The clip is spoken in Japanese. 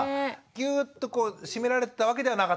ギューッとこう締められてたわけではなかったんですね。